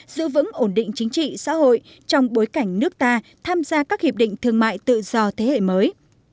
giữ vững ổn định chính trị xã hội trong bối cảnh nước ta tham gia các hiệp định thương mại tự do thế hệ mới